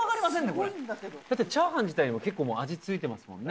これだってチャーハン自体にも結構もう味付いてますもんね